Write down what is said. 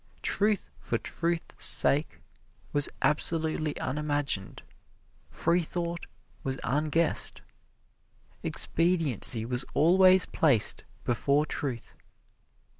Truth for truth's sake was absolutely unimagined; freethought was unguessed. Expediency was always placed before truth.